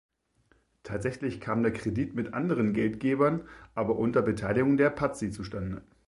Tatsächlich kam der Kredit mit anderen Geldgebern, aber unter Beteiligung der Pazzi zustande.